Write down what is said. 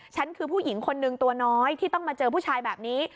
คือผู้หญิงคนนึงตัวน้อยที่ต้องมาเจอผู้ชายแบบนี้